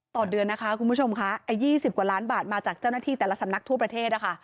ต่อเดือนนะคะคุณผู้ชมค่ะไอ้๒๐กว่าล้านบาทมาจากเจ้าหน้าที่แต่ละสำนักทั่วประเทศนะคะ